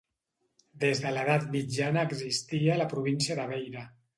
Des de l'edat mitjana existia la província de Beira.